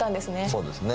そうですね。